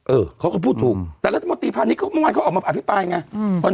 เออเขาก็พูดถูกแต่รัฐมนตรีพาณิชย์เมื่อวานเขาออกมาอภิปรายไง